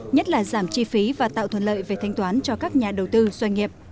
nhất là giảm chi phí và tạo thuận lợi về thanh toán cho các nhà đầu tư doanh nghiệp